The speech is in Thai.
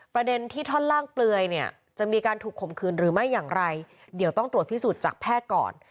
ประเด็นที่ท่อนล่างเปลือยเนี่ยจะมีการถูกข่มขืนหรือไม่อย่างไรเดี๋ยวต้องตรวจพิสูจน์จากแพทย์ก่อน